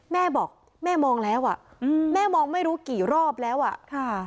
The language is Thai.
แม่บอกแม่มองแล้วอ่ะอืมแม่มองไม่รู้กี่รอบแล้วอ่ะค่ะ